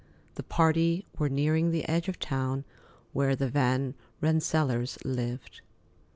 The party were nearing the edge of the town where the Van Rensselaers lived.